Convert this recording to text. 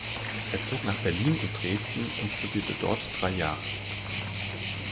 Er zog nach Berlin und Dresden und studierte dort drei Jahre.